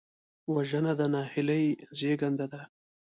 وژنه د نهیلۍ زېږنده ده